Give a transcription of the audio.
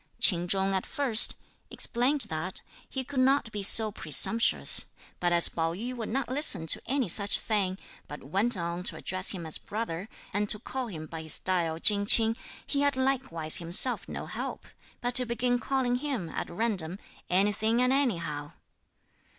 Ch'in Chung at first (explained that) he could not be so presumptuous; but as Pao yü would not listen to any such thing, but went on to address him as brother and to call him by his style Ch'ing Ch'ing, he had likewise himself no help, but to begin calling him, at random, anything and anyhow.